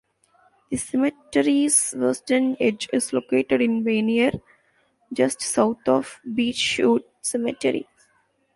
The cemetery's western edge is located in Vanier, just south of Beechwood Cemetery.